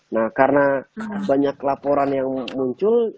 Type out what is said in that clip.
nah karena banyak laporan yang muncul